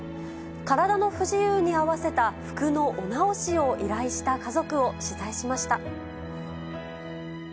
体の不自由に合わせた服のお直しを依頼した家族を取材しました。